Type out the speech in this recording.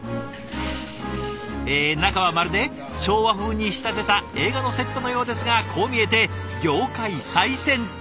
え中はまるで昭和風に仕立てた映画のセットのようですがこう見えて業界最先端。